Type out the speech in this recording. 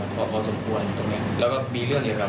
พอสมควรตรงนี้แล้วก็มีเรื่องอยู่กับ